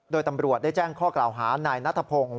โดยตำรวจได้แจ้งข้อกล่าวหานายนัทพงศ์